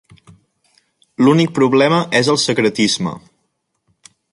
L'únic problema és el secretisme.